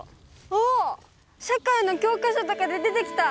あっ社会の教科書とかで出てきた！